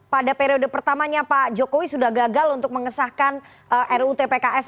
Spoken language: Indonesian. pada periode pertamanya pak jokowi sudah gagal untuk mengesahkan rutpks